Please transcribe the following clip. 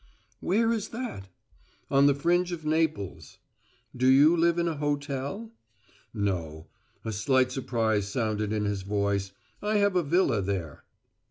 "Where is that?" "On the fringe of Naples." "Do you live in a hotel?" "No." A slight surprise sounded in his voice. "I have a villa there."